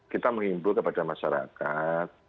kita menghimpul kepada masyarakat